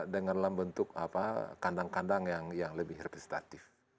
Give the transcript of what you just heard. dengan dalam bentuk kandang kandang yang lebih representatif